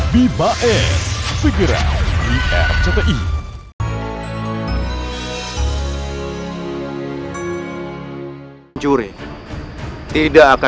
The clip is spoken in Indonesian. bibae pegeran di rcti